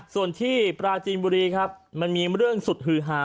ส่วนที่ปราจีนบุรีครับมันมีเรื่องสุดฮือหา